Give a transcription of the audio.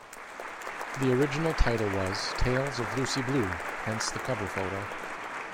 The original title was "Tales of Lucy Blue", hence the cover photo.